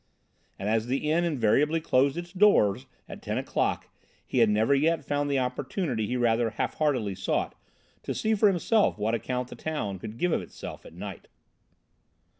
And as the inn invariably closed its doors at ten o'clock he had never yet found the opportunity he rather half heartedly sought to see for himself what account the town could give of itself at night.